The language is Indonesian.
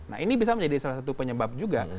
nah ini bisa menjadi salah satu penyebab juga